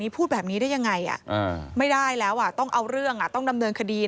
ผู้เสียหายเขาโกรธนะ